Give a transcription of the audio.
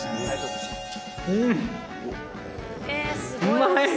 うまい！